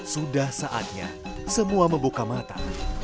sudah saatnya semua membuka mata